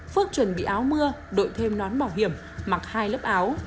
phước chuẩn bị áo mưa đội thêm nón bảo hiểm mặc hai lớp áo